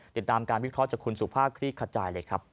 ติดตามการพิเคราะห์จากคุณปริขาจายเลยครับ